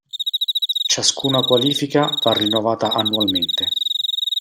Ciascuna qualifica va rinnovata annualmente.